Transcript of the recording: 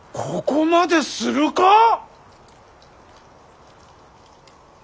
ここまでするか？